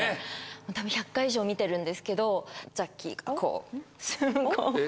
多分１００回以上見てるんですけど。